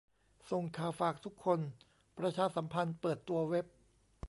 ส่งข่าวฝากทุกคนประชาสัมพันธ์เปิดตัวเว็บ